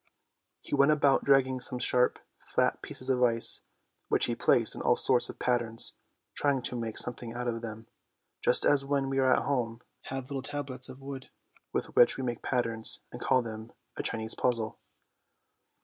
He went about dragging some sharp, flat pieces of ice, which he placed in all sorts of patterns, trying to make something out of them; just as when we at home have little tablets of wood, with which we make patterns, and call them a " Chinese puzzle."